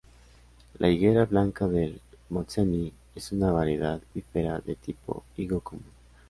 La higuera 'Blanca del Montseny' es una variedad "bífera" de tipo higo común.